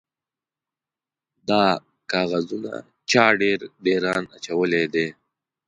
_دا کاغذونه چا پر ډېران اچولي دي؟